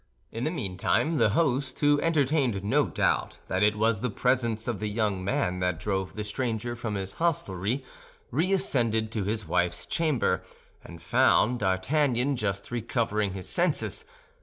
In the meantime, the host, who entertained no doubt that it was the presence of the young man that drove the stranger from his hostelry, re ascended to his wife's chamber, and found D'Artagnan just recovering his senses.